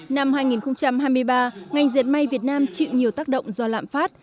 năm hai nghìn hai mươi ba ngành diệt may việt nam chịu nhiều tác động do lạm phát